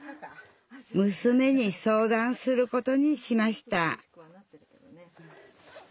むすめに相談することにしました